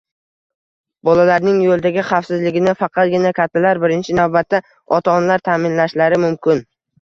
Bolalarning yo‘ldagi xavfsizligini faqatgina kattalar, birinchi navbatda ota-onalar ta’minlashlari mumkin.